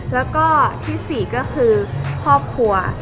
แล้วก็ที่๔ก็คือครอบครัว